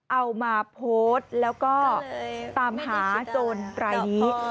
เอามาโพสต์แล้วก็ตามหาจนไตร